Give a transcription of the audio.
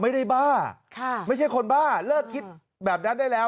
ไม่ได้บ้าค่ะไม่ใช่คนบ้าเลิกคิดแบบนั้นได้แล้ว